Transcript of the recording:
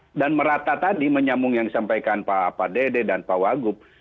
nah dan merata tadi menyambung yang disampaikan pak dede dan pak wagub